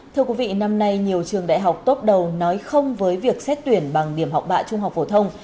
thưa quý vị năm nay nhiều trường đại học tốt đầu nói không với việc xét tuyển bằng điểm học bạ trung học phổ thông